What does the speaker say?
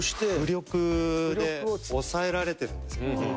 船木：浮力で抑えられてるんですよ。